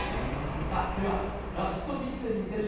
さあではラストミステリーです